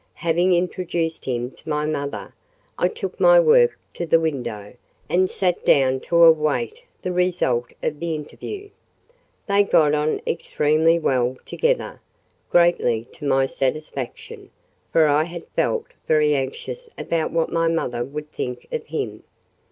Having introduced him to my mother, I took my work to the window, and sat down to await the result of the interview. They got on extremely well together—greatly to my satisfaction, for I had felt very anxious about what my mother would think of him.